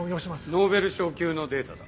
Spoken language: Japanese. ノーベル賞級のデータだ。